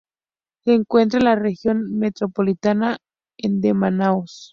Se encuentra en la región metropolitana de Manaos.